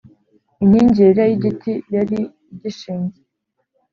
inkingi yera y igiti yari igishinze